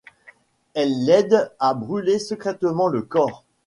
Elle l'aide à brûler secrètement le corps.